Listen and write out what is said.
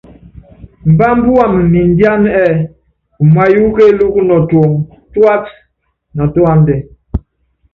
Mbábá wamɛ mindiána ɛ́ɛ́ umayuúkɔ́ kélúku nɔtuɔŋɔ tuátanatúádɛ.